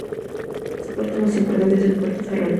Su puerto más importante es el Puerto de Ferrol.